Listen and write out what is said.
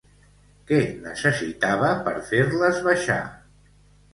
Què necessitava per fer-les baixar?